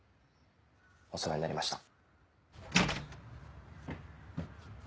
お世話になりました。